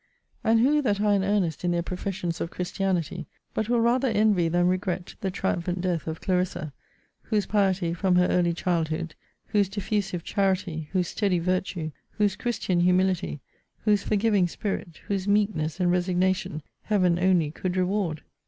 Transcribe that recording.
And who that are in earnest in their professions of Christianity, but will rather envy than regret the triumphant death of CLARISSA; whose piety, from her early childhood; whose diffusive charity; whose steady virtue; whose Christian humility, whose forgiving spirit; whose meekness, and resignation, HEAVEN only could reward?